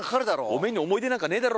お前に思い出なんかねえだろ。